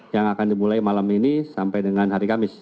yang akan dimulai malam ini sampai dengan hari kamis